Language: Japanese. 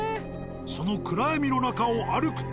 その暗闇の中を歩くと。